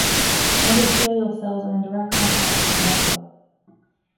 The endothelial cells are in direct contact with the blood flow.